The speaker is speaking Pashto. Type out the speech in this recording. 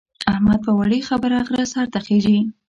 احمد په وړې خبره غره سر ته خېژي.